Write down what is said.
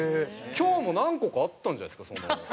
今日も何個かあったんじゃないですか？